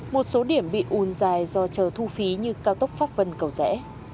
một số điểm bị ùn dài do chờ thu phí như cao tốc pháp vân cầu rẽ